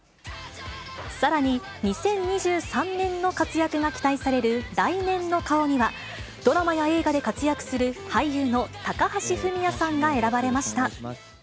さらに、２０２３年の活躍が期待される来年の顔には、ドラマや映画で活躍する、俳優の高橋文哉さんが選ばれました。